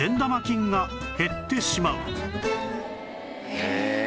へえ。